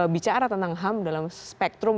bicara tentang ham dalam spektrum